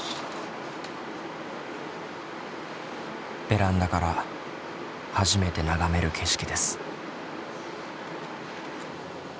ベランダから初めて眺める景色です。